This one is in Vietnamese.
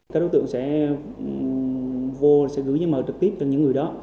các đối tượng sẽ vô sẽ gửi giá mở trực tiếp cho những người đó